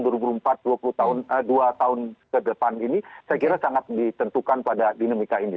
dua tahun ke depan ini saya kira sangat ditentukan pada dinamika ini